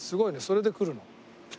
それで来るの？